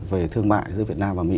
về thương mại giữa việt nam và mỹ